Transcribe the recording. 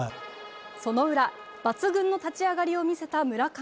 その裏、抜群の立ち上がりを見せた村上。